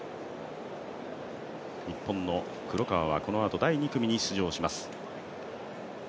日本の黒川はこのあと第２組に出場します。